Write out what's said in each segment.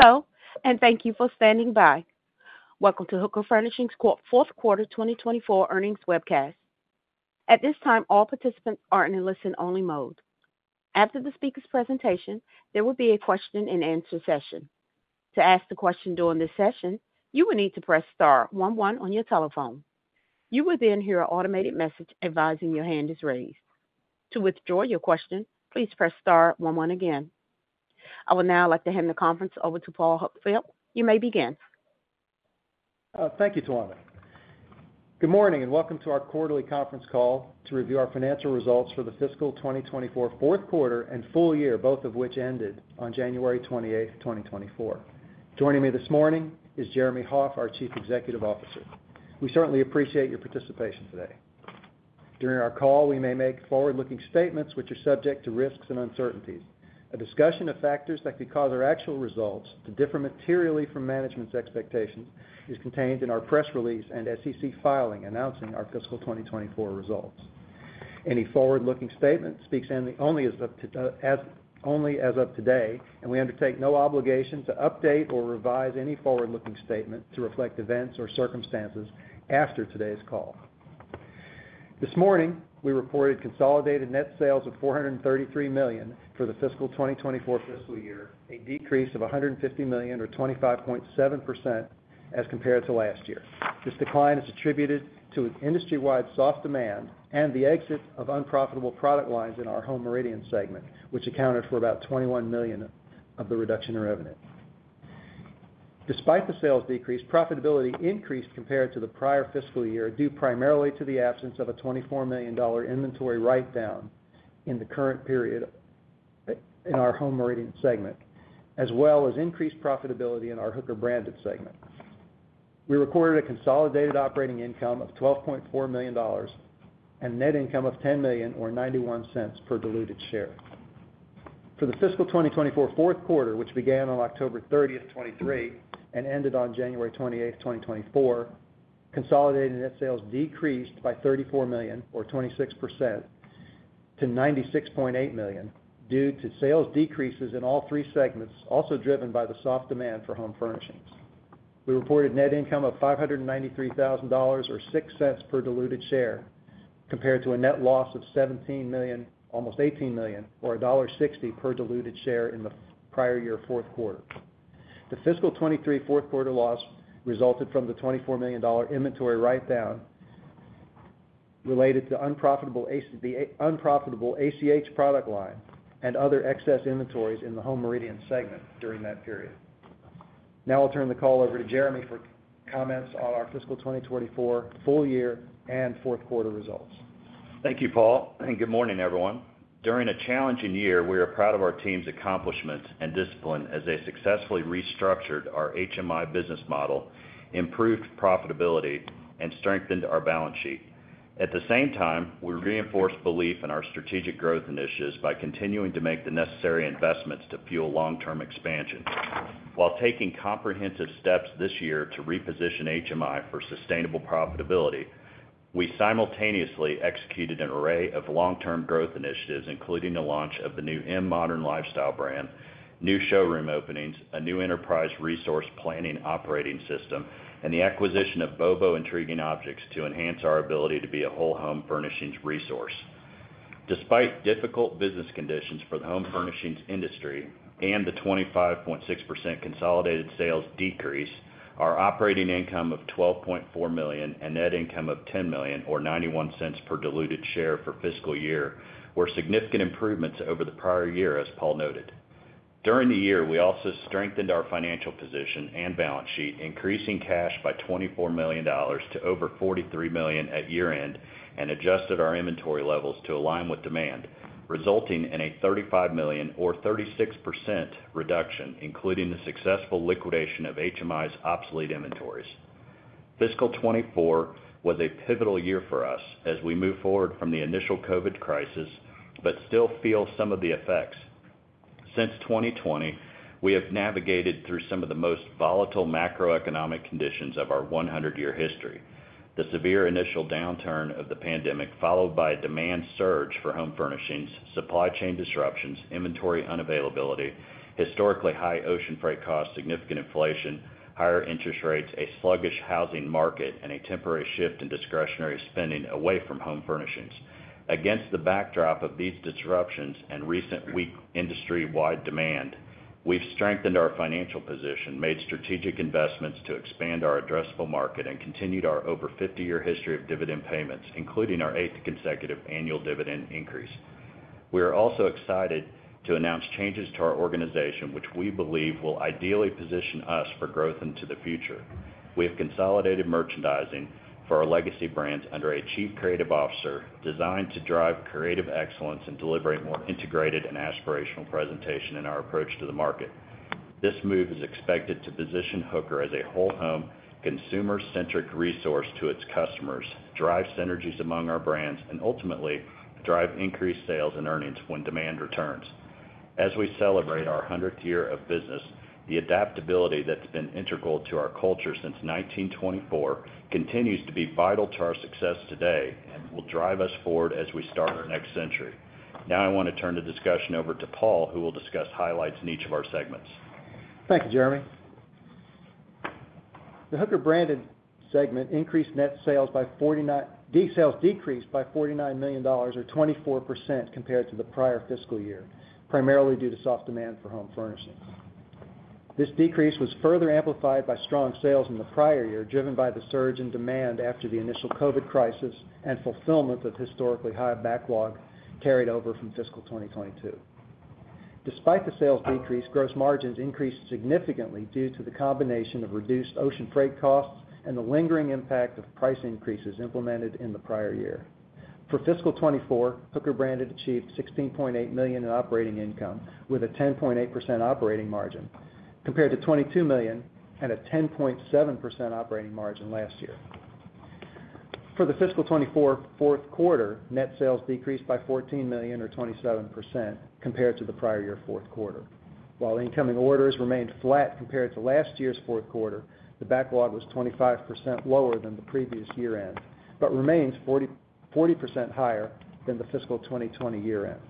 Hello, and thank you for standing by. Welcome to Hooker Furnishings' Fourth Quarter 2024 Earnings Webcast. At this time, all participants are in a listen-only mode. After the speaker's presentation, there will be a question-and-answer session. To ask the question during this session, you will need to press star 11 on your telephone. You will then hear an automated message advising your hand is raised. To withdraw your question, please press star 11 again. I will now like to hand the conference over to Paul Huckfeldt. You may begin. Thank you, Tawanda. Good morning and welcome to our quarterly conference call to review our financial results for the fiscal 2024 fourth quarter and full year, both of which ended on January 28th, 2024. Joining me this morning is Jeremy Hoff, our Chief Executive Officer. We certainly appreciate your participation today. During our call, we may make forward-looking statements which are subject to risks and uncertainties. A discussion of factors that could cause our actual results to differ materially from management's expectations is contained in our press release and SEC filing announcing our fiscal 2024 results. Any forward-looking statement speaks only as of today, and we undertake no obligation to update or revise any forward-looking statement to reflect events or circumstances after today's call. This morning, we reported consolidated net sales of $433 million for the fiscal 2024 fiscal year, a decrease of $150 million or 25.7% as compared to last year. This decline is attributed to industry-wide soft demand and the exit of unprofitable product lines in our Home Meridian segment, which accounted for about $21 million of the reduction in revenue. Despite the sales decrease, profitability increased compared to the prior fiscal year due primarily to the absence of a $24 million inventory write-down in the current period in our Home Meridian segment, as well as increased profitability in our Hooker Branded segment. We recorded a consolidated operating income of $12.4 million and net income of $10 million or $0.91 per diluted share. For the fiscal 2024 fourth quarter, which began on October 30th, 2023, and ended on January 28th, 2024, consolidated net sales decreased by $34 million or 26% to $96.8 million due to sales decreases in all three segments, also driven by the soft demand for home furnishings. We reported net income of $593,000 or $0.06 per diluted share compared to a net loss of $17 million, almost $18 million, or $1.60 per diluted share in the prior year fourth quarter. The fiscal 2023 fourth quarter loss resulted from the $24 million inventory write-down related to unprofitable ACH product line and other excess inventories in the Home Meridian segment during that period. Now I'll turn the call over to Jeremy for comments on our fiscal 2024 full year and fourth quarter results. Thank you, Paul, and good morning, everyone. During a challenging year, we are proud of our team's accomplishments and discipline as they successfully restructured our HMI business model, improved profitability, and strengthened our balance sheet. At the same time, we reinforced belief in our strategic growth initiatives by continuing to make the necessary investments to fuel long-term expansion. While taking comprehensive steps this year to reposition HMI for sustainable profitability, we simultaneously executed an array of long-term growth initiatives, including the launch of the new M modern lifestyle brand, new showroom openings, a new enterprise resource planning operating system, and the acquisition of BOBO Intriguing Objects to enhance our ability to be a whole home furnishings resource. Despite difficult business conditions for the home furnishings industry and the 25.6% consolidated sales decrease, our operating income of $12.4 million and net income of $10 million or $0.91 per diluted share for fiscal year were significant improvements over the prior year, as Paul noted. During the year, we also strengthened our financial position and balance sheet, increasing cash by $24 million to over $43 million at year-end and adjusted our inventory levels to align with demand, resulting in a $35 million or 36% reduction, including the successful liquidation of HMI's obsolete inventories. Fiscal 2024 was a pivotal year for us as we move forward from the initial COVID crisis but still feel some of the effects. Since 2020, we have navigated through some of the most volatile macroeconomic conditions of our 100-year history: the severe initial downturn of the pandemic, followed by a demand surge for home furnishings, supply chain disruptions, inventory unavailability, historically high ocean freight costs, significant inflation, higher interest rates, a sluggish housing market, and a temporary shift in discretionary spending away from home furnishings. Against the backdrop of these disruptions and recent weak industry-wide demand, we've strengthened our financial position, made strategic investments to expand our addressable market, and continued our over 50-year history of dividend payments, including our eighth consecutive annual dividend increase. We are also excited to announce changes to our organization, which we believe will ideally position us for growth into the future. We have consolidated merchandising for our legacy brands under a Chief Creative Officer designed to drive creative excellence and deliver a more integrated and aspirational presentation in our approach to the market. This move is expected to position Hooker as a whole home consumer-centric resource to its customers, drive synergies among our brands, and ultimately drive increased sales and earnings when demand returns. As we celebrate our 100th year of business, the adaptability that's been integral to our culture since 1924 continues to be vital to our success today and will drive us forward as we start our next century. Now I want to turn the discussion over to Paul, who will discuss highlights in each of our segments. Thank you, Jeremy. The Hooker branded segment decreased net sales by $49 million or 24% compared to the prior fiscal year, primarily due to soft demand for home furnishings. This decrease was further amplified by strong sales in the prior year, driven by the surge in demand after the initial COVID crisis and fulfillment of historically high backlog carried over from fiscal 2022. Despite the sales decrease, gross margins increased significantly due to the combination of reduced ocean freight costs and the lingering impact of price increases implemented in the prior year. For fiscal 2024, Hooker branded achieved $16.8 million in operating income with a 10.8% operating margin compared to $22 million and a 10.7% operating margin last year. For the fiscal 2024 fourth quarter, net sales decreased by $14 million or 27% compared to the prior year fourth quarter. While incoming orders remained flat compared to last year's fourth quarter, the backlog was 25% lower than the previous year-end but remains 40% higher than the fiscal 2020 year-end.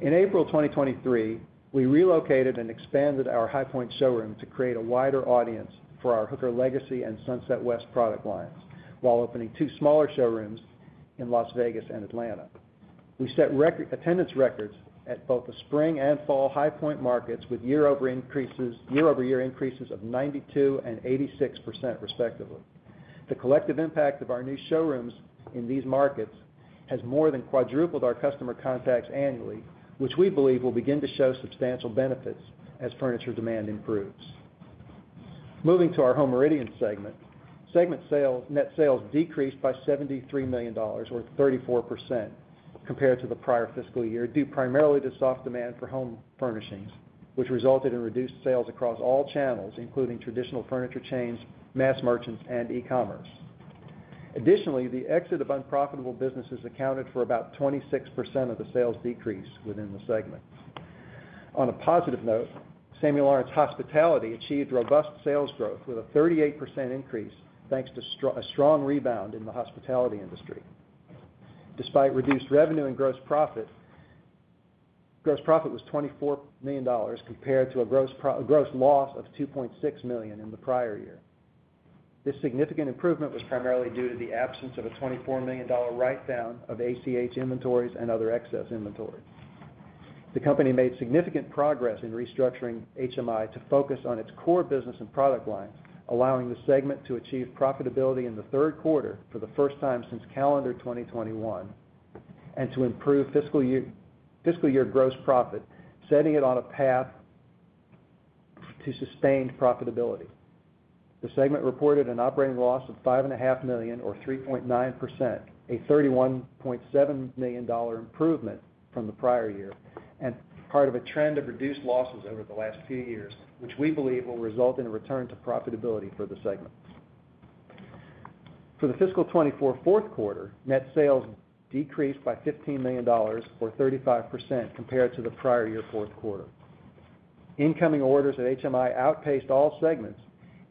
In April 2023, we relocated and expanded our High Point showroom to create a wider audience for our Hooker legacy and Sunset West product lines while opening two smaller showrooms in Las Vegas and Atlanta. We set attendance records at both the spring and fall High Point markets with year-over-year increases of 92% and 86%, respectively. The collective impact of our new showrooms in these markets has more than quadrupled our customer contacts annually, which we believe will begin to show substantial benefits as furniture demand improves. Moving to our Home Meridian segment, net sales decreased by $73 million or 34% compared to the prior fiscal year due primarily to soft demand for home furnishings, which resulted in reduced sales across all channels, including traditional furniture chains, mass merchants, and e-commerce. Additionally, the exit of unprofitable businesses accounted for about 26% of the sales decrease within the segment. On a positive note, Samuel Lawrence Hospitality achieved robust sales growth with a 38% increase thanks to a strong rebound in the hospitality industry. Despite reduced revenue and gross profit, gross profit was $24 million compared to a gross loss of $2.6 million in the prior year. This significant improvement was primarily due to the absence of a $24 million write-down of ACH inventories and other excess inventories. The company made significant progress in restructuring HMI to focus on its core business and product lines, allowing the segment to achieve profitability in the third quarter for the first time since calendar 2021 and to improve fiscal year gross profit, setting it on a path to sustained profitability. The segment reported an operating loss of $5.5 million or 3.9%, a $31.7 million improvement from the prior year, and part of a trend of reduced losses over the last few years, which we believe will result in a return to profitability for the segment. For the fiscal 2024 fourth quarter, net sales decreased by $15 million or 35% compared to the prior year fourth quarter. Incoming orders at HMI outpaced all segments,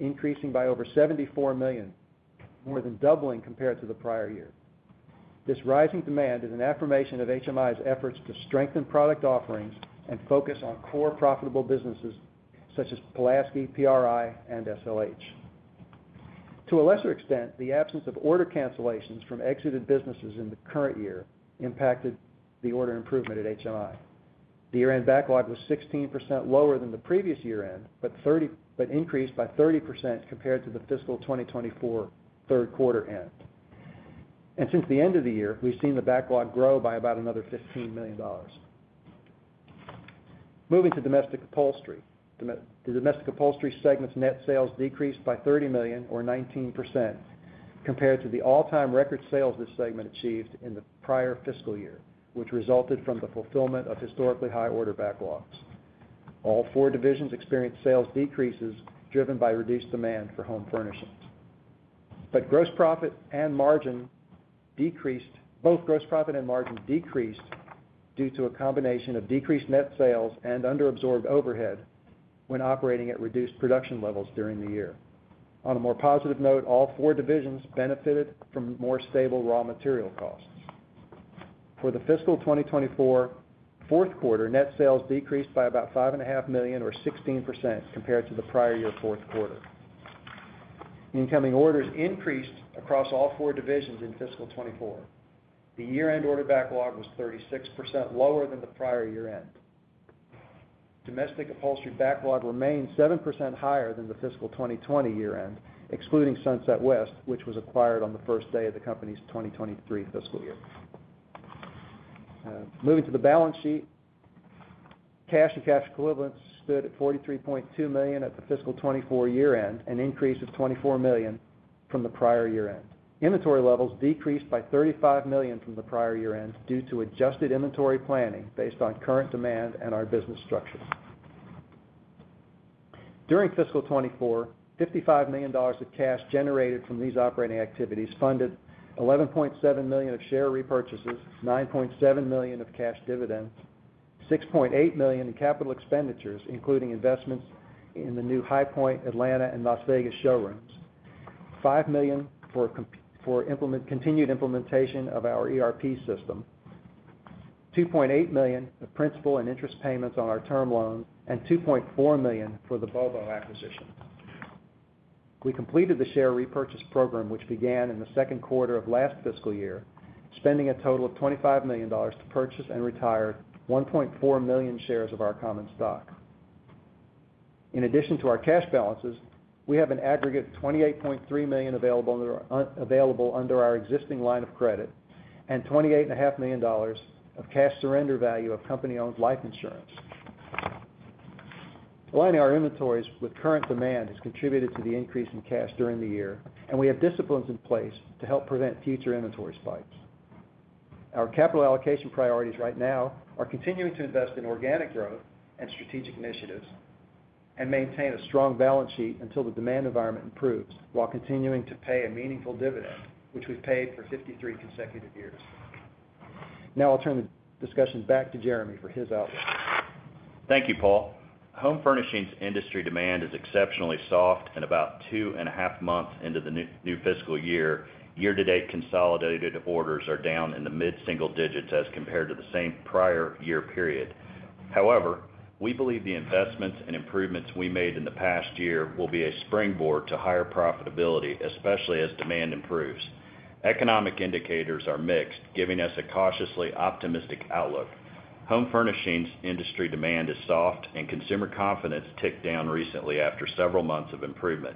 increasing by over $74 million, more than doubling compared to the prior year. This rising demand is an affirmation of HMI's efforts to strengthen product offerings and focus on core profitable businesses such as Pulaski, PRI and SLH. To a lesser extent, the absence of order cancellations from exited businesses in the current year impacted the order improvement at HMI. The year-end backlog was 16% lower than the previous year-end but increased by 30% compared to the fiscal 2024 third quarter end. Since the end of the year, we've seen the backlog grow by about another $15 million. Moving to Domestic Upholstery, the Domestic Upholstery segment's net sales decreased by $30 million or 19% compared to the all-time record sales this segment achieved in the prior fiscal year, which resulted from the fulfillment of historically high order backlogs. All four divisions experienced sales decreases driven by reduced demand for home furnishings. But gross profit and margin decreased both gross profit and margin decreased due to a combination of decreased net sales and underabsorbed overhead when operating at reduced production levels during the year. On a more positive note, all four divisions benefited from more stable raw material costs. For the fiscal 2024 fourth quarter, net sales decreased by about $5.5 million or 16% compared to the prior year fourth quarter. Incoming orders increased across all four divisions in fiscal 2024. The year-end order backlog was 36% lower than the prior year-end. Domestic upholstery backlog remained 7% higher than the fiscal 2020 year-end, excluding Sunset West, which was acquired on the first day of the company's 2023 fiscal year. Moving to the balance sheet, cash and cash equivalents stood at $43.2 million at the fiscal 2024 year-end, an increase of $24 million from the prior year-end. Inventory levels decreased by $35 million from the prior year-end due to adjusted inventory planning based on current demand and our business structure. During fiscal 2024, $55 million of cash generated from these operating activities funded $11.7 million of share repurchases, $9.7 million of cash dividends, $6.8 million in capital expenditures, including investments in the new High Point, Atlanta, and Las Vegas showrooms, $5 million for continued implementation of our ERP system, $2.8 million of principal and interest payments on our term loans, and $2.4 million for the Bobo acquisition. We completed the share repurchase program, which began in the second quarter of last fiscal year, spending a total of $25 million to purchase and retire 1.4 million shares of our common stock. In addition to our cash balances, we have an aggregate of $28.3 million available under our existing line of credit and $28.5 million of cash surrender value of company-owned life insurance. Aligning our inventories with current demand has contributed to the increase in cash during the year, and we have disciplines in place to help prevent future inventory spikes. Our capital allocation priorities right now are continuing to invest in organic growth and strategic initiatives and maintain a strong balance sheet until the demand environment improves while continuing to pay a meaningful dividend, which we've paid for 53 consecutive years. Now I'll turn the discussion back to Jeremy for his outlook. Thank you, Paul. Home furnishings industry demand is exceptionally soft and about two and a half months into the new fiscal year, year-to-date consolidated orders are down in the mid-single digits as compared to the same prior year period. However, we believe the investments and improvements we made in the past year will be a springboard to higher profitability, especially as demand improves. Economic indicators are mixed, giving us a cautiously optimistic outlook. Home furnishings industry demand is soft, and consumer confidence ticked down recently after several months of improvement.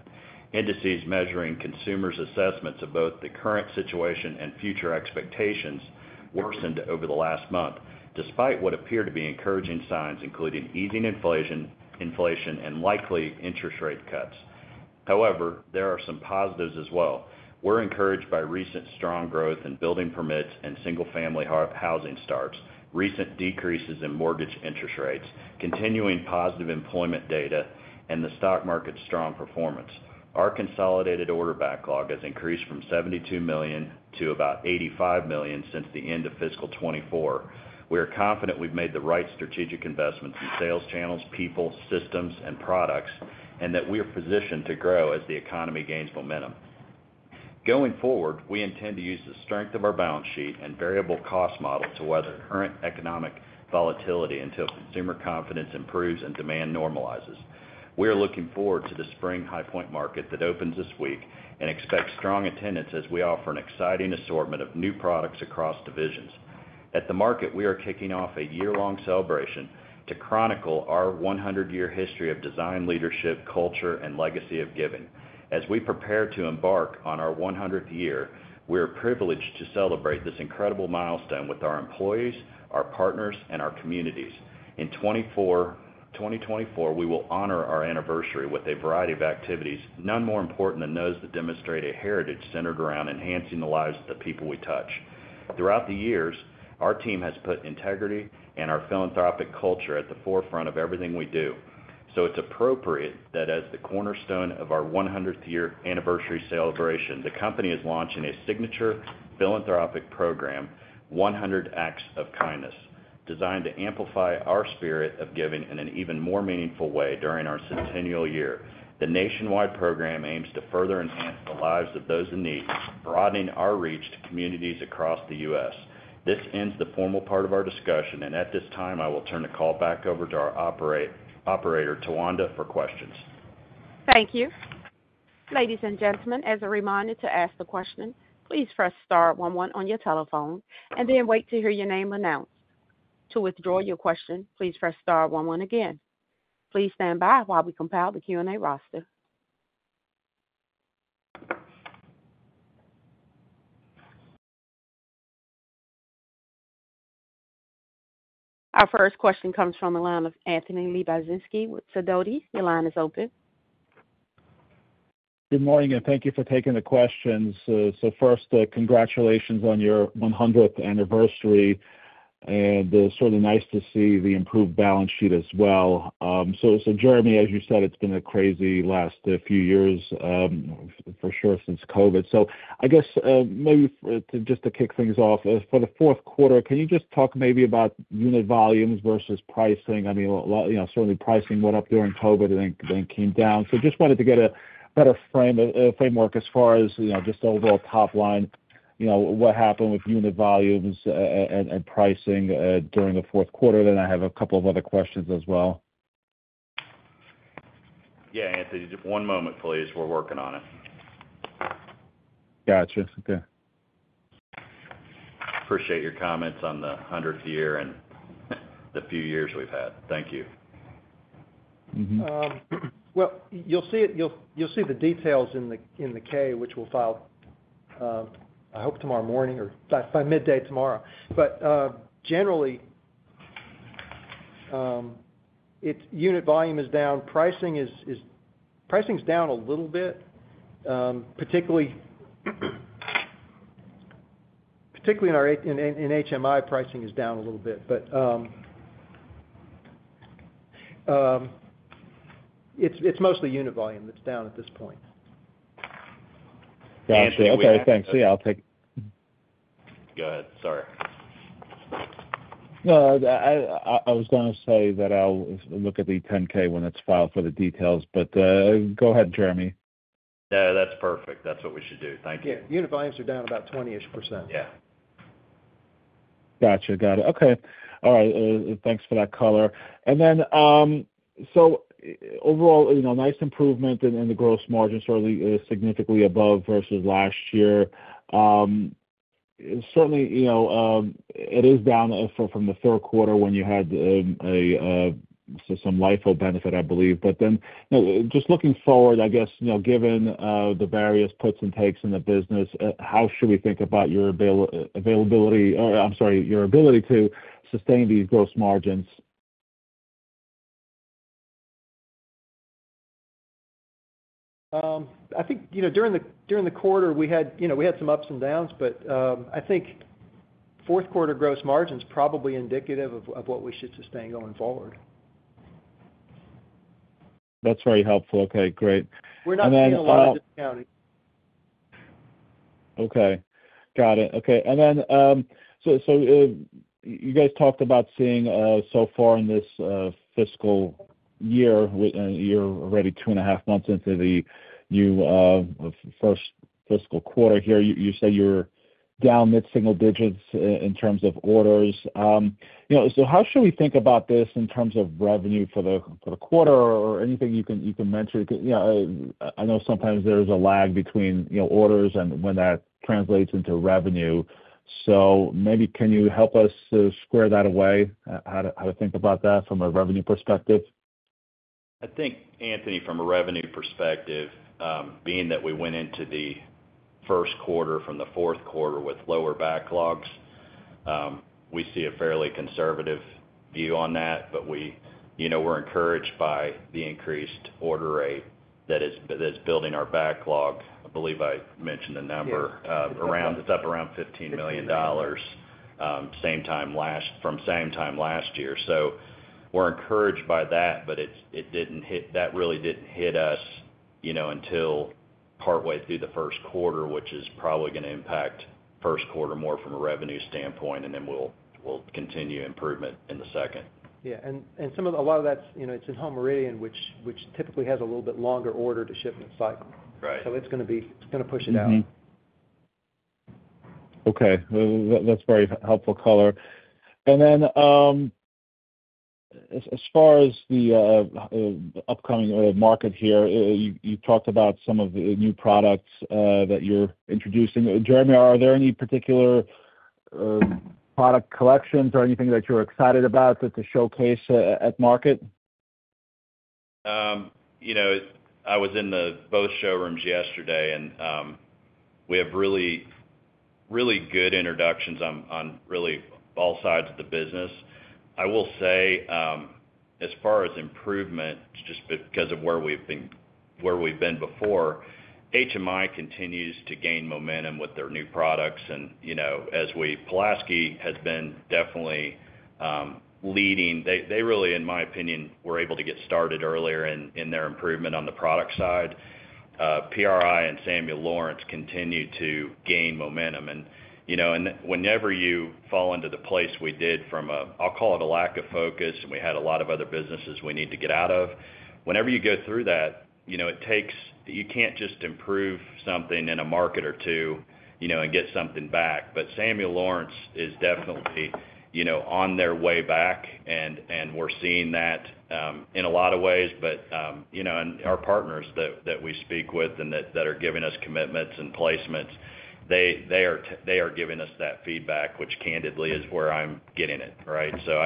Indices measuring consumers' assessments of both the current situation and future expectations worsened over the last month despite what appear to be encouraging signs, including easing inflation and likely interest rate cuts. However, there are some positives as well. We're encouraged by recent strong growth in building permits and single-family housing starts, recent decreases in mortgage interest rates, continuing positive employment data, and the stock market's strong performance. Our consolidated order backlog has increased from $72 million to about $85 million since the end of fiscal 2024. We are confident we've made the right strategic investments in sales channels, people, systems, and products, and that we are positioned to grow as the economy gains momentum. Going forward, we intend to use the strength of our balance sheet and variable cost model to weather current economic volatility until consumer confidence improves and demand normalizes. We are looking forward to the spring High Point Market that opens this week and expect strong attendance as we offer an exciting assortment of new products across divisions. At the market, we are kicking off a year-long celebration to chronicle our 100-year history of design leadership, culture, and legacy of giving. As we prepare to embark on our 100th year, we are privileged to celebrate this incredible milestone with our employees, our partners, and our communities. In 2024, we will honor our anniversary with a variety of activities, none more important than those that demonstrate a heritage centered around enhancing the lives of the people we touch. Throughout the years, our team has put integrity and our philanthropic culture at the forefront of everything we do. So it's appropriate that as the cornerstone of our 100th-year anniversary celebration, the company is launching a signature philanthropic program, 100 Acts of Kindness, designed to amplify our spirit of giving in an even more meaningful way during our centennial year. The nationwide program aims to further enhance the lives of those in need, broadening our reach to communities across the U.S. This ends the formal part of our discussion, and at this time, I will turn the call back over to our operator, Tawanda, for questions. Thank you. Ladies and gentlemen, as a reminder to ask the question, please press star 11 on your telephone and then wait to hear your name announced. To withdraw your question, please press star 11 again. Please stand by while we compile the Q&A roster. Our first question comes from Anthony Lebiedzinski with Sidoti. Your line is open. Good morning, and thank you for taking the questions. First, congratulations on your 100th anniversary, and certainly nice to see the improved balance sheet as well. Jeremy, as you said, it's been a crazy last few years, for sure, since COVID. I guess maybe just to kick things off, for the fourth quarter, can you just talk maybe about unit volumes versus pricing? I mean, certainly pricing went up during COVID and then came down. Just wanted to get a better framework as far as just overall topline, what happened with unit volumes and pricing during the fourth quarter. Then I have a couple of other questions as well. Yeah, Anthony, just one moment, please. We're working on it. Gotcha. Okay. Appreciate your comments on the 100th year and the few years we've had. Thank you. Well, you'll see the details in the K, which we'll file, I hope, tomorrow morning or by midday tomorrow. But generally, unit volume is down. Pricing is down a little bit, particularly in HMI. Pricing is down a little bit, but it's mostly unit volume that's down at this point. Gotcha. Okay. Thanks. Yeah, I'll take. Go ahead. Sorry. No, I was going to say that I'll look at the 10-K when it's filed for the details, but go ahead, Jeremy. No, that's perfect. That's what we should do. Thank you. Yeah, unit volumes are down about 20-ish%. Yeah. Gotcha. Got it. Okay. All right. Thanks for that color. And then so overall, nice improvement in the gross margin, certainly significantly above versus last year. Certainly, it is down from the third quarter when you had some LIFO benefit, I believe. But then just looking forward, I guess, given the various puts and takes in the business, how should we think about your availability or I'm sorry, your ability to sustain these gross margins? I think during the quarter, we had some ups and downs, but I think fourth quarter gross margin's probably indicative of what we should sustain going forward. That's very helpful. Okay. Great. We're not seeing a lot of discounting. Okay. Got it. Okay. And then so you guys talked about seeing so far in this fiscal year and you're already two and a half months into the new first fiscal quarter here. You said you're down mid-single digits in terms of orders. So how should we think about this in terms of revenue for the quarter or anything you can mention? I know sometimes there's a lag between orders and when that translates into revenue. So maybe can you help us square that away, how to think about that from a revenue perspective? I think, Anthony, from a revenue perspective, being that we went into the first quarter from the fourth quarter with lower backlogs, we see a fairly conservative view on that. But we're encouraged by the increased order rate that's building our backlog. I believe I mentioned the number. It's up around $15 million from same time last year. So we're encouraged by that, but it didn't hit that really didn't hit us until partway through the first quarter, which is probably going to impact first quarter more from a revenue standpoint, and then we'll continue improvement in the second. Yeah. And a lot of that's in Home Meridian, which typically has a little bit longer order to shipment cycle. So it's going to push it out. Okay. That's very helpful color. And then as far as the upcoming market here, you talked about some of the new products that you're introducing. Jeremy, are there any particular product collections or anything that you're excited about to showcase at market? I was in both showrooms yesterday, and we have really good introductions on really all sides of the business. I will say, as far as improvement, just because of where we've been before, HMI continues to gain momentum with their new products. And Pulaski has been definitely leading, they really, in my opinion, were able to get started earlier in their improvement on the product side. PRI and Samuel Lawrence continue to gain momentum. And whenever you fall into the place we did from a, I'll call it, a lack of focus, and we had a lot of other businesses we need to get out of. Whenever you go through that, it takes, you can't just improve something in a market or two and get something back. But Samuel Lawrence is definitely on their way back, and we're seeing that in a lot of ways. But our partners that we speak with and that are giving us commitments and placements, they are giving us that feedback, which candidly is where I'm getting it, right? So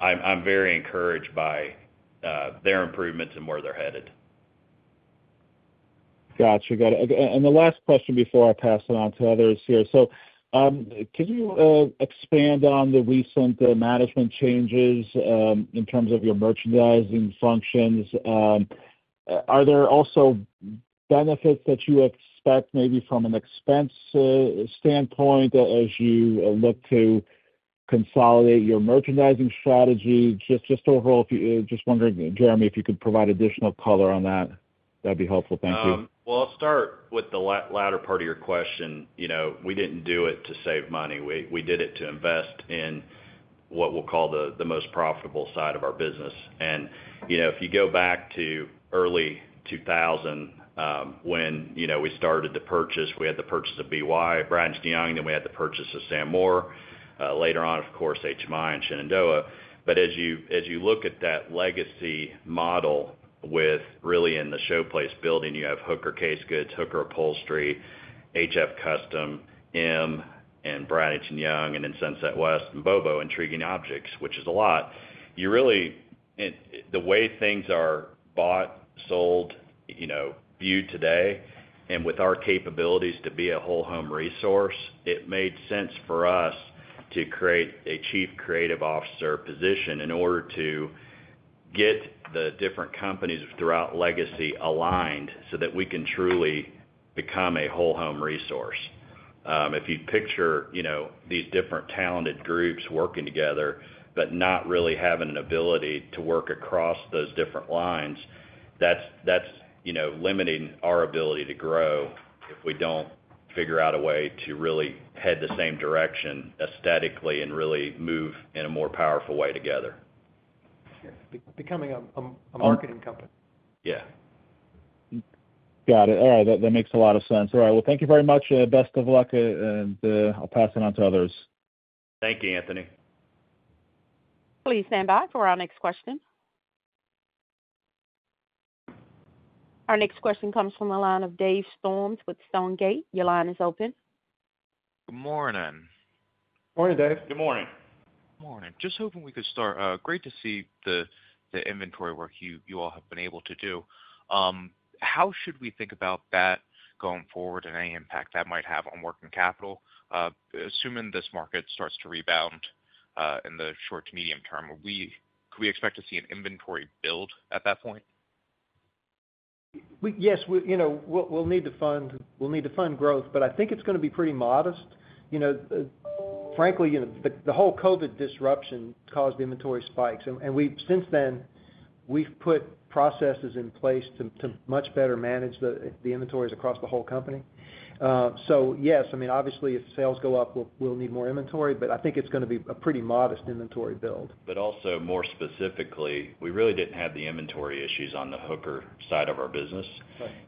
I'm very encouraged by their improvements and where they're headed. Gotcha. Got it. And the last question before I pass it on to others here. So can you expand on the recent management changes in terms of your merchandising functions? Are there also benefits that you expect maybe from an expense standpoint as you look to consolidate your merchandising strategy? Just overall, just wondering, Jeremy, if you could provide additional color on that. That'd be helpful. Thank you. Well, I'll start with the latter part of your question. We didn't do it to save money. We did it to invest in what we'll call the most profitable side of our business. And if you go back to early 2000 when we started to purchase, we had the purchase of BY, Bradington-Young, then we had the purchase of Sam Moore. Later on, of course, HMI and Shenandoah. But as you look at that legacy model with really in the Showplace building, you have Hooker Casegoods, Hooker Upholstery, HF Custom, M, and Bradington-Young, and then Sunset West and Bobo Intriguing Objects, which is a lot. The way things are bought, sold, viewed today, and with our capabilities to be a whole-home resource, it made sense for us to create a chief creative officer position in order to get the different companies throughout legacy aligned so that we can truly become a whole-home resource. If you picture these different talented groups working together but not really having an ability to work across those different lines, that's limiting our ability to grow if we don't figure out a way to really head the same direction aesthetically and really move in a more powerful way together. Becoming a marketing company. Yeah. Got it. All right. That makes a lot of sense. All right. Well, thank you very much. Best of luck, and I'll pass it on to others. Thank you, Anthony. Please stand by for our next question. Our next question comes from the line of Dave Storms with Stonegate. Your line is open. Good morning. Morning, Dave. Good morning. Good morning. Just hoping we could start. Great to see the inventory work you all have been able to do. How should we think about that going forward and any impact that might have on working capital? Assuming this market starts to rebound in the short to medium term, could we expect to see an inventory build at that point? Yes. We'll need to fund growth, but I think it's going to be pretty modest. Frankly, the whole COVID disruption caused the inventory spikes. Since then, we've put processes in place to much better manage the inventories across the whole company. Yes, I mean, obviously, if sales go up, we'll need more inventory, but I think it's going to be a pretty modest inventory build. But also more specifically, we really didn't have the inventory issues on the Hooker side of our business.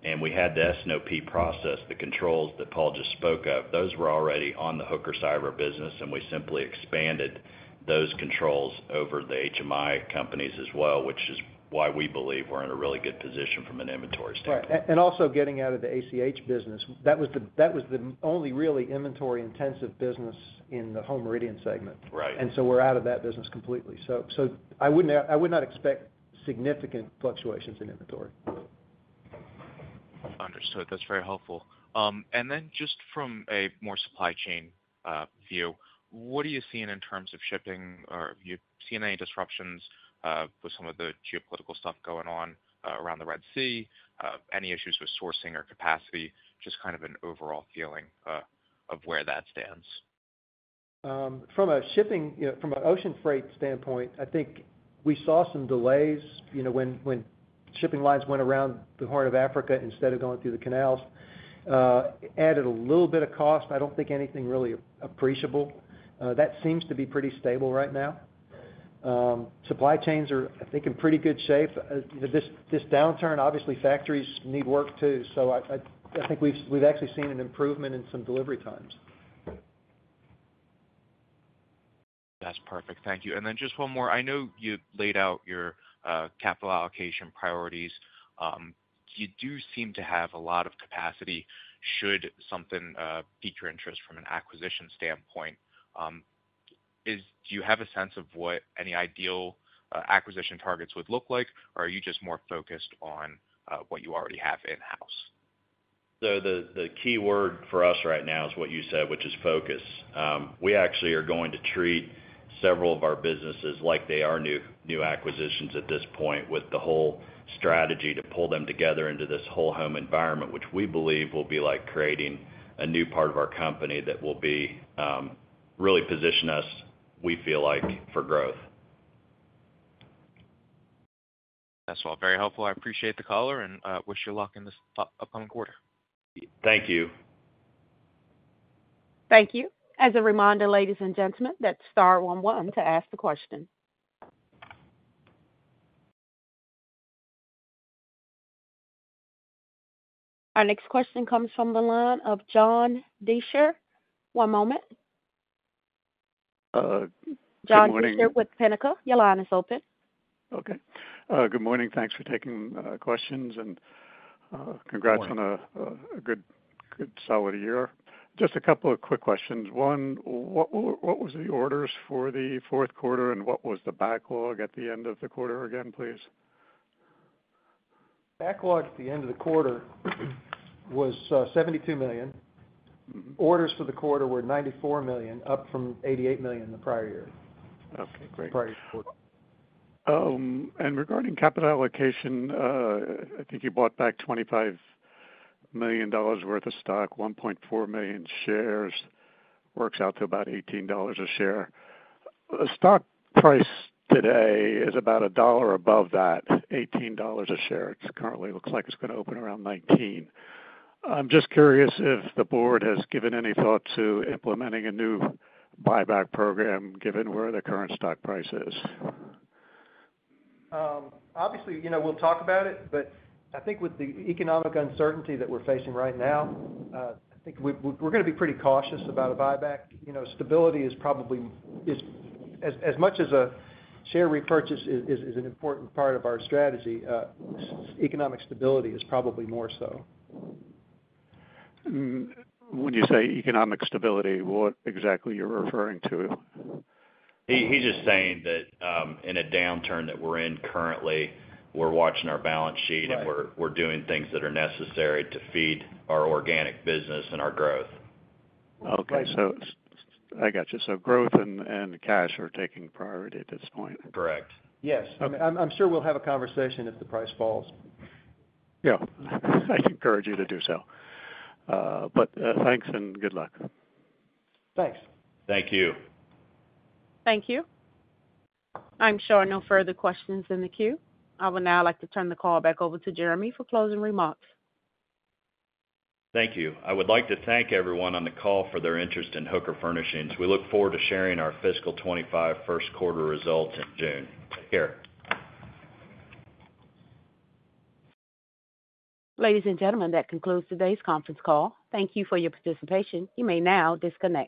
And we had the S&OP process, the controls that Paul just spoke of. Those were already on the Hooker side of our business, and we simply expanded those controls over the HMI companies as well, which is why we believe we're in a really good position from an inventory standpoint. Right. And also getting out of the ACH business, that was the only really inventory-intensive business in the Home Meridian segment. And so we're out of that business completely. So I would not expect significant fluctuations in inventory. Understood. That's very helpful. And then just from a more supply chain view, what are you seeing in terms of shipping? Have you seen any disruptions with some of the geopolitical stuff going on around the Red Sea? Any issues with sourcing or capacity? Just kind of an overall feeling of where that stands. From an ocean freight standpoint, I think we saw some delays when shipping lines went around the Horn of Africa instead of going through the canals. Added a little bit of cost. I don't think anything really appreciable. That seems to be pretty stable right now. Supply chains are, I think, in pretty good shape. This downturn, obviously, factories need work too. So I think we've actually seen an improvement in some delivery times. That's perfect. Thank you. And then just one more. I know you laid out your capital allocation priorities. You do seem to have a lot of capacity should something pique your interest from an acquisition standpoint. Do you have a sense of what any ideal acquisition targets would look like, or are you just more focused on what you already have in-house? So the key word for us right now is what you said, which is focus. We actually are going to treat several of our businesses like they are new acquisitions at this point with the whole strategy to pull them together into this whole-home environment, which we believe will be creating a new part of our company that will really position us, we feel like, for growth. That's all very helpful. I appreciate the caller, and wish you luck in this upcoming quarter. Thank you. Thank you. As a reminder, ladies and gentlemen, that's star 11 to ask the question. Our next question comes from the line of John Deysher. One moment. John Deysher with Pinnacle. Your line is open. Okay. Good morning. Thanks for taking questions, and congrats on a good, solid year. Just a couple of quick questions. One, what was the orders for the fourth quarter, and what was the backlog at the end of the quarter again, please? Backlog at the end of the quarter was $72 million. Orders for the quarter were $94 million, up from $88 million the prior year. Okay. Great. The prior year. Regarding capital allocation, I think you bought back $25 million worth of stock, 1.4 million shares. Works out to about $18 a share. The stock price today is about a dollar above that, $18 a share. It currently looks like it's going to open around 19. I'm just curious if the board has given any thought to implementing a new buyback program given where the current stock price is. Obviously, we'll talk about it, but I think with the economic uncertainty that we're facing right now, I think we're going to be pretty cautious about a buyback. Stability is probably as much as a share repurchase is an important part of our strategy, economic stability is probably more so. When you say economic stability, what exactly are you referring to? He's just saying that in a downturn that we're in currently, we're watching our balance sheet, and we're doing things that are necessary to feed our organic business and our growth. Okay. So I got you. So growth and cash are taking priority at this point. Correct. Yes. I'm sure we'll have a conversation if the price falls. Yeah. I encourage you to do so. But thanks and good luck. Thanks. Thank you. Thank you. I'm sure no further questions in the queue. I would now like to turn the call back over to Jeremy for closing remarks. Thank you. I would like to thank everyone on the call for their interest in Hooker Furnishings. We look forward to sharing our fiscal 2025 first quarter results in June. Take care. Ladies and gentlemen, that concludes today's conference call. Thank you for your participation. You may now disconnect.